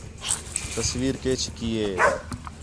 تصویر کَے چِھکّی ہے